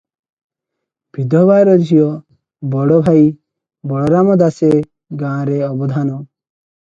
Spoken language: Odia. ବିଧବାର ଝିଅ, ବଡ଼ଭାଇ ବଳରାମ ଦାସେ ଗାଁର ଅବଧାନ ।